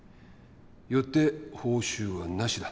よって報酬はなしだ。